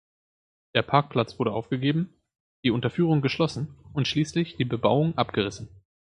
Der Parkplatz wurde aufgegeben, die Unterführung geschlossen und schließlich die Bebauung abgerissen.